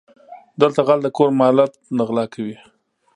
دله غل د کور مالت نه غلا کوي .